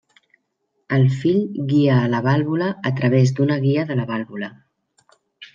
El fill guia a la vàlvula a través d'una guia de la vàlvula.